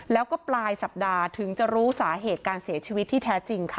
แล้วก็ปลายสัปดาห์ถึงจะรู้สาเหตุการเสียชีวิตที่แท้จริงค่ะ